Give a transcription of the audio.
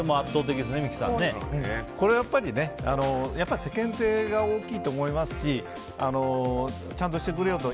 これは世間体が大きいと思いますしちゃんとしてくれよと。